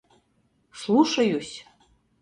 Слушаюсь.